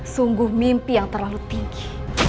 sungguh mimpi yang terlalu tinggi